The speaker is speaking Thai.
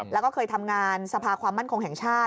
แล้วก็เคยทำงานสภาความมั่นคงแห่งชาติ